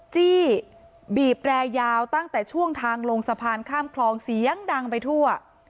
จี้บีบแรยาวตั้งแต่ช่วงทางลงสะพานข้ามคลองเสียงดังไปทั่ว